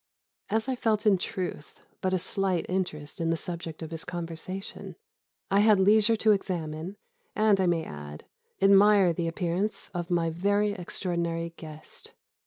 ] "As I felt in truth but a slight interest in the subject of his conversation, I had leisure to examine, and, I may add, admire the appearance of my very extraordinary guest.